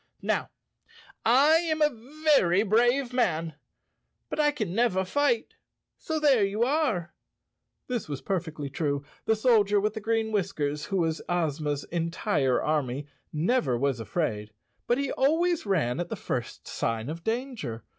"Now, I am a very brave man, but I can never fight, so there you are." This was perfectly true. The Soldier with the Green Whiskers, who was Ozma's en¬ tire army, never was afraid, but he always ran at the first sign of danger.